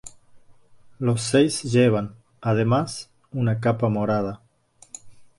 Los Seises llevan, además, una capa morada.